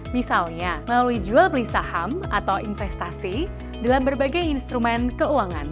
misalnya melalui jual beli saham atau investasi dalam berbagai instrumen keuangan